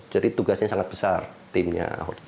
jadi tugasnya sangat besar timnya ahok